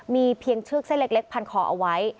มีเพียงเชือกเส้นเล็กพันคอเอาไว้